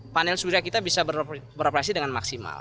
panel surya kita bisa beroperasi dengan maksimal